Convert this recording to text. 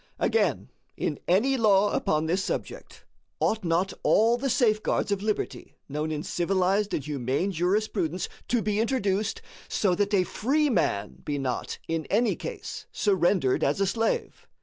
Again, in any law upon this subject, ought not all the safeguards of liberty known in civilized and humane jurisprudence to be introduced, so that a free man be not, in any case, surrendered as a slave?